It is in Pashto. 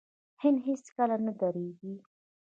هند هیڅکله نه دریږي.